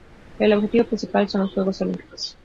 El objetivo principal son los Juegos Olímpicos".